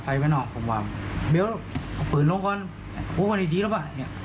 ไฟไปหน่อผมวามเบลต์เอาปืนลงก่อนโอ้อันนี้ดีแล้วป่ะเนี้ย